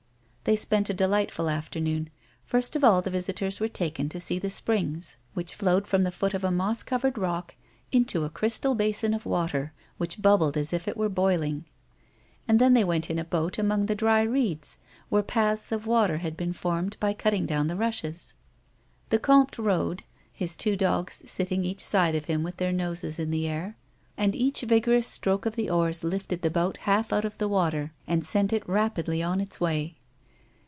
They spent a delightful afternoon. First of all the visitors were taken to see the springs which flowed from the foot of a moss covered rock into a crystal basin of water which bubbled as if it were boiling, and then they went in a boat among the dry reeds, where paths of water had been formed by cutting down the rushes. The comte rowed (his two dogs sitting each side of him with their noses in the air) and each vigorous stroke of the oars lifted the boat half out of the water and sent it rapidly on its way.